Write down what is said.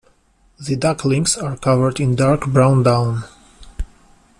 The ducklings are covered in dark brown down.